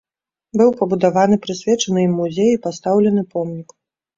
Быў пабудаваны прысвечаны ім музей і пастаўлены помнік.